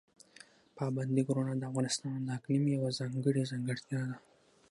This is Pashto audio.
پابندي غرونه د افغانستان د اقلیم یوه ځانګړې ځانګړتیا ده.